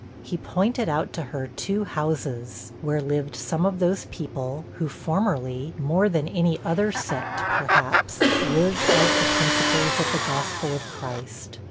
He pointed out to her two houses, where lived some of those people, who formerly, more than any other sect, perhaps, lived out the principles of the gospel of Christ.